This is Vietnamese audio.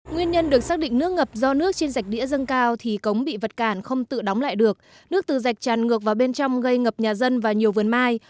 nguyên nhân được xác định nước ngập do nước trên rạch đĩa dâng cao thì cống bị vật cản không tự đóng lại được nước từ rạch tràn ngược vào bên trong gây ngập nhà dân và nhiều vườn mai